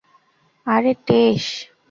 আরে, টেস।